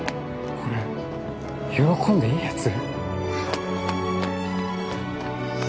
これ喜んでいいやつ？